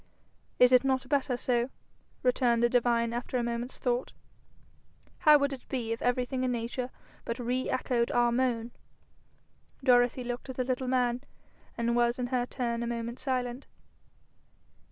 'Is it not better so?' returned the divine after a moment's thought. 'How would it be if everything in nature but re echoed our moan?' Dorothy looked at the little man, and was in her turn a moment silent.